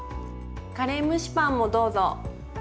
⁉カレー蒸しパンもどうぞ！